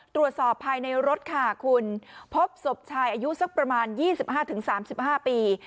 ตรวจสอบภายในรถค่ะคุณพบศพชายอายุสักประมาณ๒๕๓๕ปี